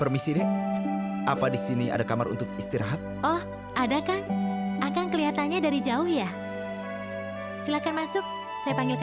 maafkan sumbi pak nandur hakam maafkan sumbi